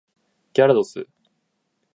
ギャラドス